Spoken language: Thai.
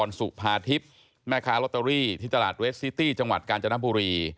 สุภาทิพย์แม่ค้าลอตเตอรี่ที่ตลาดเวสซิตี้จังหวัดกาญจนบุรี